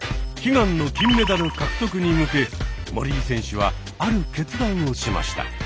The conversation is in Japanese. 悲願の金メダル獲得に向け森井選手はある決断をしました。